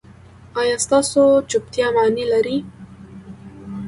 ایا ستاسو چوپتیا معنی لري؟